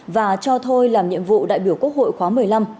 và cho thôi làm nhiệm vụ đại biểu quốc hội khóa một mươi năm